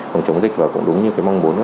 phòng chống dịch và cũng đúng như mong muốn